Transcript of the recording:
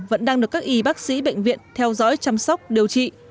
vẫn đang được các y bác sĩ bệnh viện theo dõi chăm sóc điều trị